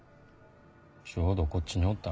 ちょうどこっちにおったんか。